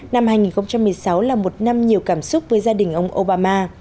năm hai nghìn một mươi sáu là một năm nhiều cảm xúc với gia đình ông obama